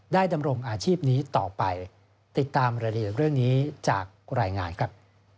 ดำรงอาชีพนี้ต่อไปติดตามรายละเอียดเรื่องนี้จากรายงานครับ